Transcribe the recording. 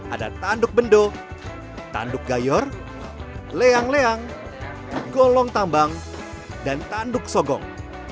ada tanduk bendo tanduk gayor leang leang golong tambang dan tanduk sogong